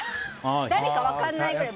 誰か分かんないくらい。